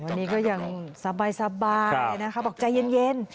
วันนี้ก็ยังสบายนะคะบอกใจเย็น